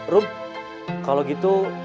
rum kalau gitu